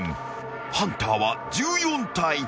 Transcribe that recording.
［ハンターは１４体］